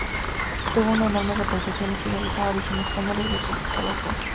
Tuvo una enorme repercusión y finalizaba diciendo: "¡Españoles, vuestro Estado no existe!